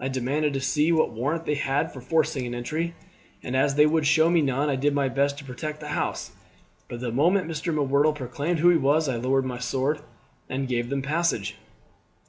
I demanded to see what warrant they had for forcing an entry, and as they would show me none, I did my best to protect the house; but the moment Mr. M'Whirtle proclaimed who he was I lowered my sword and gave them passage."